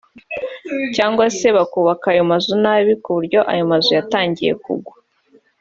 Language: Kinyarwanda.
cyangwa se bakubaka amazu nabi ku buryo ubu ayo mazu yatangiye kugwa